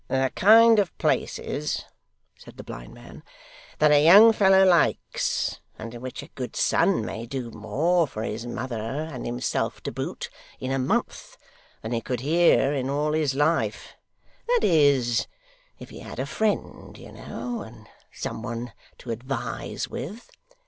' The kind of places,' said the blind man, 'that a young fellow likes, and in which a good son may do more for his mother, and himself to boot, in a month, than he could here in all his life that is, if he had a friend, you know, and some one to advise with.